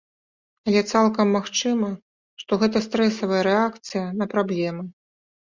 Але цалкам магчыма, што гэта стрэсавая рэакцыя на праблемы.